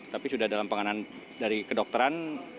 tapi sudah dalam penganan dari kedokteran